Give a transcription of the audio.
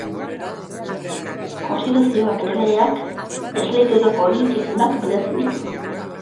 Konstituzioak eta legeak esleitutako eginkizunak betetzen ditu.